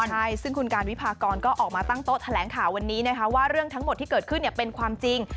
ใช่ซึ่งคุณการวิพากรก็ออกมาตั้งโต๊ะแถลงข่าววันนี้นะคะว่าเรื่องทั้งหมดที่เกิดขึ้นเป็นความจริง